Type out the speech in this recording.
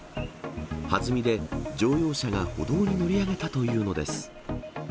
はずみで乗用車が歩道に乗り上げたというのです。